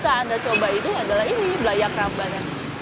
dan makanan yang paling enak adalah belayak rambanan